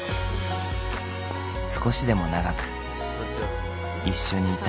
［少しでも長く一緒にいたいと願う］